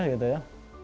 nah ini juga